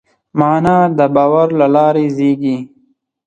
معنی د باور له لارې زېږي.